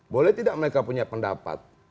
boleh tidak mereka punya pendapat